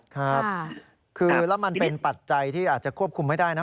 ครับคือแล้วมันเป็นปัจจัยที่อาจจะควบคุมไม่ได้นะ